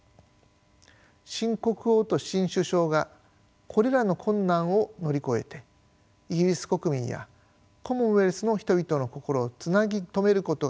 新国王と新首相がこれらの困難を乗り越えてイギリス国民やコモンウェルスの人々の心をつなぎ止めることができるのか。